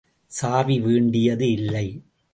சாவி வேண்டியது இல்லை.